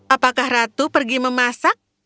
apakah ratu pergi memasak